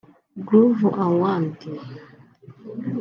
“Groove Awards”